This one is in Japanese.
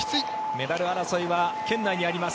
メダル争いは圏内にあります。